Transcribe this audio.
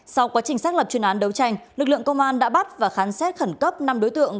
sau quá trình xác lập chuyên án đấu tranh lực lượng công an đã bắt và khám xét khẩn cấp năm đối tượng